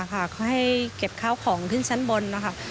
เขาให้เก็บข้าวของขึ้นชั้นบนนะคะ